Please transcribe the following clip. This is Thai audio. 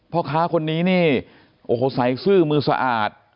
พ่อค้าคนนี้นี่โอ้โหใส่ซื่อมือสะอาด